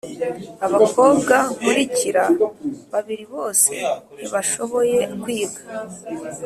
abakobwa nkurikira babiri bose ntibashoboye kwiga